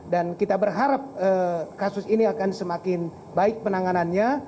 dan kita berharap kasus ini akan semakin baik penanganannya